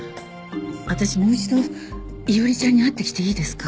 私もう一度伊織ちゃんに会ってきていいですか？